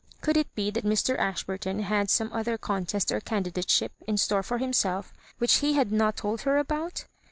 Gould it be that Mr. Asbburton had some other contest or candidate ship in store for himself which he had not told her about